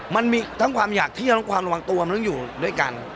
มันมีทั้งความอยากเที่ยวทั้งความระวังตัวมันต้องอยู่ด้วยกัน